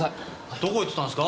どこ行ってたんですか？